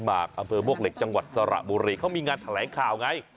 มบมสระบุรีเขามีงานแถลงข่าวไง